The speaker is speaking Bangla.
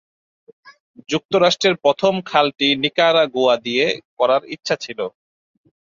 যুক্তরাষ্ট্রের প্রথমে খালটি নিকারাগুয়া দিয়ে করার ইচ্ছা ছিল।